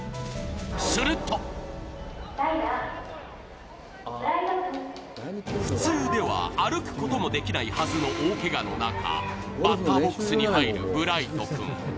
すると普通では歩くこともできないはずの大けがの仲、バッターボックスに入るブライト君。